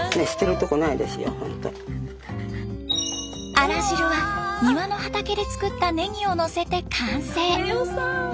あら汁は庭の畑で作ったネギをのせて完成。